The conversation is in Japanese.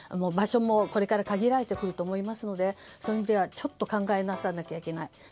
場所もこれから限られてくると思いますのでちょっと考え直さなきゃいけない。